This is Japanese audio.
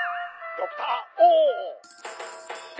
「ドクターＵ！」